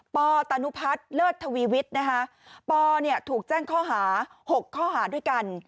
ปอตะนุพัดเลิศทวีวิทย์ปอถูกแจ้งข้อหา๖ข้ออื่น